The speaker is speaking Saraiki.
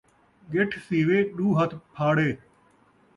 ڳٹھ سیوے ، ݙو ہتھ پھاڑے